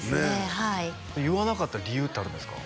はい言わなかった理由ってあるんですか？